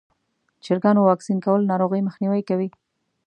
د چرګانو واکسین کول ناروغۍ مخنیوی کوي.